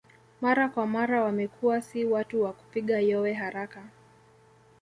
Mara kwa mara wamekuwa si watu wa kupiga yowe haraka